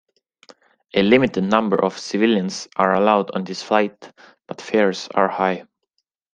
A limited number of civilians are allowed on this flight but fares are high.